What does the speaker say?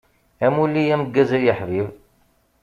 Amulli ameggaz ay aḥbib.